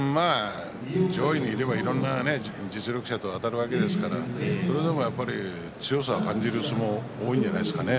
上位にいれば、いろいろ実力者とあたるわけですからそれでもやっぱり強さを感じる相撲が多いんじゃないですかね。